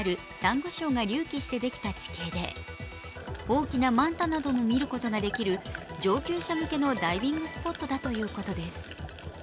ご礁が隆起してできた地形で大きなマンタなども見ることができる上級者向けのダイビングスポットだということです。